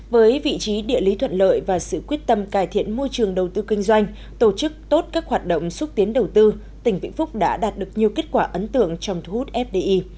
với vị trí địa lý thuận lợi và sự quyết tâm cải thiện môi trường đầu tư kinh doanh tổ chức tốt các hoạt động xúc tiến đầu tư tỉnh vĩnh phúc đã đạt được nhiều kết quả ấn tượng trong thu hút fdi